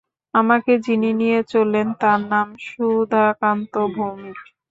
আমাকে যিনি নিয়ে চললেন, তাঁর নাম সুধাকান্ত ভৌমিক।